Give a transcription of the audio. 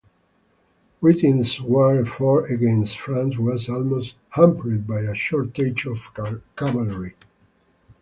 Britain's war effort against France was always hampered by a shortage of cavalry.